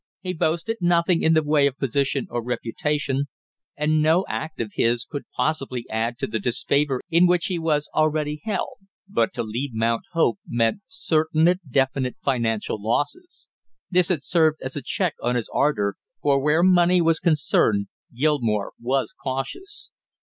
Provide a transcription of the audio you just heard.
He boasted nothing in the way of position or reputation, and no act of his could possibly add to the disfavor in which he was already held; but to leave Mount Hope meant certain definite financial losses; this had served as a check on his ardor, for where money was concerned Gilmore was cautious.